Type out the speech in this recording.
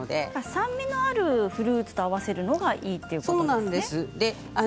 酸味のあるフルーツと合わせるのがいいんですね。